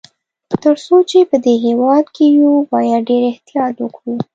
تر څو چي په دې هیواد کي یو، باید ډېر احتیاط وکړو.